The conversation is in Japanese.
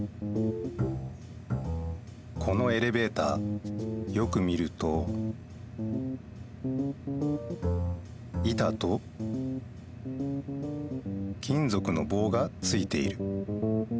このエレベーターよく見ると板と金ぞくの棒がついている。